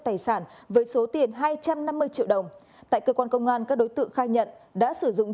tài sản với số tiền hai trăm năm mươi triệu đồng tại cơ quan công an các đối tượng khai nhận đã sử dụng